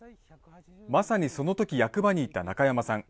まさにそのとき、役場にいた中山さん。